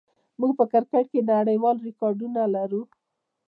موږ په کرکټ کې نړیوال ریکارډونه لرو.